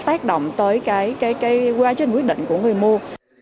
và thật sự sẽ tác động tới cái quá trình quyết định của người mua